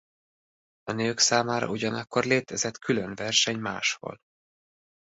A nők számára ugyanakkor létezett külön verseny máshol.